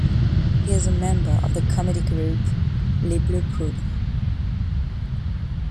He is a member of the comedy group Les Bleu Poudre.